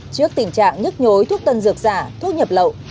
trước tình trạng nhức nhối thuốc tân dược giả thuốc nhập lậu